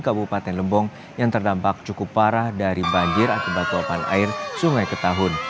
kabupaten lembong yang terdampak cukup parah dari banjir akibat luapan air sungai ketahun